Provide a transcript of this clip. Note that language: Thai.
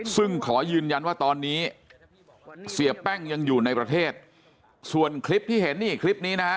ซึ่งขอยืนยันว่าตอนนี้เสียแป้งยังอยู่ในประเทศส่วนคลิปที่เห็นนี่คลิปนี้นะฮะ